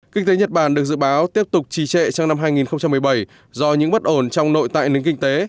kinh tế nhật bản được dự báo tiếp tục trì trệ trong năm hai nghìn một mươi bảy do những bất ổn trong nội tại nền kinh tế